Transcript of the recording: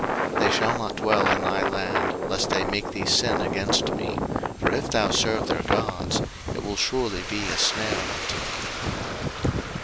02:023:033 They shall not dwell in thy land, lest they make thee sin against me: for if thou serve their gods, it will surely be a snare unto thee.